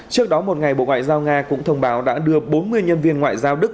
trước đó một ngày bộ ngoại giao nga cũng thông báo đã đưa bốn mươi nhân viên ngoại giao đức